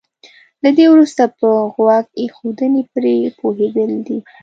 له دې وروسته په غوږ ايښودنې پرې پوهېدل دي.